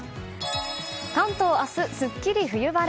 関東明日、すっきり冬晴れ。